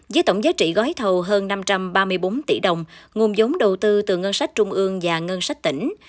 với tổng giá trị gói thầu hơn năm trăm ba mươi bốn tỷ đồng nguồn giống đầu tư từ ngân sách trung ương và ngân sách tỉnh